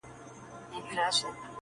په هر کور کي د طوطي کیسه توده وه؛